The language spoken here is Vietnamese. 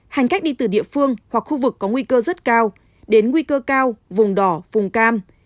hành khách đi từ địa phương hoặc khu vực có nguy cơ rất cao đến nguy cơ cao vùng đỏ vùng cam